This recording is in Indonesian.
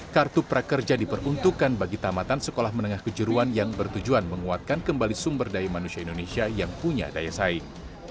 kartu prakerja diperuntukkan bagi tamatan sekolah menengah kejuruan yang bertujuan menguatkan kembali sumber daya manusia indonesia yang punya daya saing